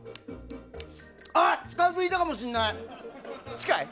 近づいたかもしれない！